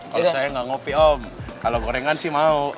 kalau saya nggak ngopi om kalau gorengan sih mau